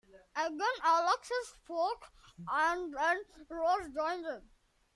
Again Alexis spoke, and then Rose joined in.